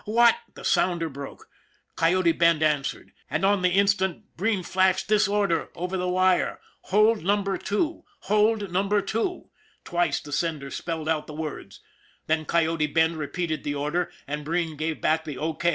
What " The sounder broke. Coyote Bend answered. And on the instant Breen flashed this order over the wire. 64 ON THE IRON AT BIG CLOUD "Hold Number Two. Hold Number Two " twice the sender spelled out the words. Then Coyote Bend repeated the order, and Breen gave back the O.